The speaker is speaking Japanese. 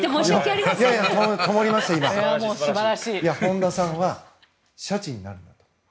本多さんはシャチになるって。